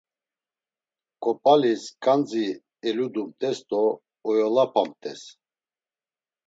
Ǩop̌alis ǩandzi eludumt̆es do oyolapamt̆es.